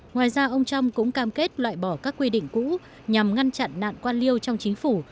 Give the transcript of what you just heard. ngoài ra ông trump cũng cam kết loại bỏ các quy định cũ nhằm ngăn chặn nạn quan liêu trong chính phủ